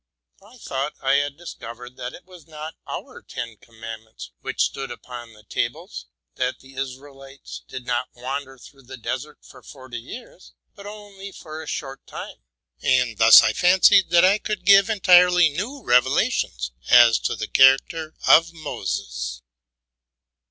I thought I had discovered that it was not our Ten Commandments which stood upon the tables ; that the Israelites did not wander through the desert for forty years, but only for a short time ; and thus I fancied 104 TRUTH AND FICTION that I could give entirely new revelations as to the character of Moses.